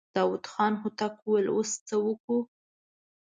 داوود خان هوتک وويل: اوس څه وکو؟